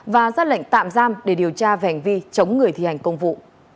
và ra lệnh tạm giam để điều tra vẻnh vi chống người thi hành công vụ